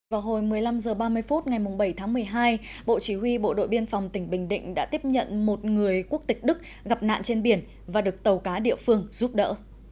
vào hồi một mươi năm h ba mươi phút ngày bảy tháng một mươi hai bộ chỉ huy bộ đội biên phòng tỉnh bình định đã tiếp nhận một người quốc tịch đức gặp nạn trên biển và được tàu cá địa phương giúp đỡ